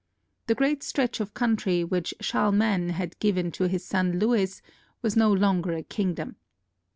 The great stretch of country which Charlemagne had given to his son Lewis was no longer a kingdom.